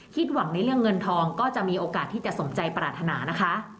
หวังในเรื่องเงินทองก็จะมีโอกาสที่จะสมใจปรารถนานะคะ